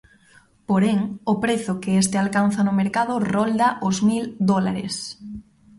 Porén, o prezo que este alcanza no mercado rolda os mil dólares.